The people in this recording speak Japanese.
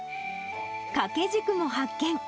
掛け軸も発見。